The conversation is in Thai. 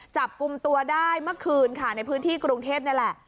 จับกลุ่มตัวได้เมื่อคืนค่ะในพื้นที่กรุงเทพนี่แหละ